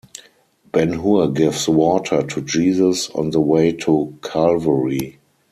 Ben-Hur gives water to Jesus on the way to Calvary.